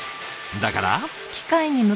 だから。